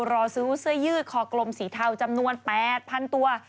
รอซื้อเสื้อยืดคอกลมสีเทาจำนวน๘๐๐๐ตัว